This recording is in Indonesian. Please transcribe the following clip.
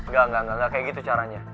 gak gak gak kayak gitu caranya